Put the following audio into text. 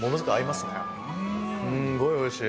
すんごいおいしい。